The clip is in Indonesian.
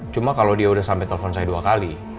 cuma kalau dia udah sampai telepon saya dua kali